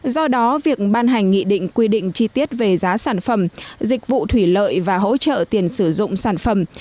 do đó việc ban hành nghị định quy định chi tiết về giá sản phẩm dịch vụ thủy lợi và hỗ trợ tiền sử dụng sản phẩm